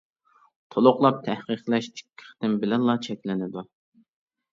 تولۇقلاپ تەھقىقلەش ئىككى قېتىم بىلەنلا چەكلىنىدۇ.